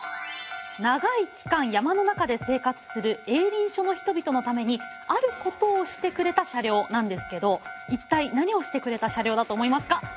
長い期間山の中で生活する営林署の人々のためにあることをしてくれた車両なんですけど一体何をしてくれた車両だと思いますか。